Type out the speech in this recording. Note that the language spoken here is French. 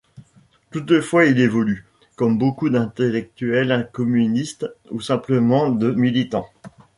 Toutefois il évolue, comme beaucoup d'intellectuels communistes ou simplement de militants.